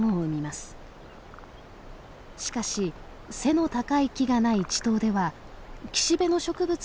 しかし背の高い木がない池塘では岸辺の植物に卵を産み付けます。